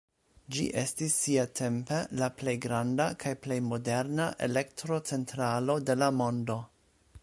Ĝi estis siatempe la plej granda kaj plej moderna elektrocentralo de la mondo.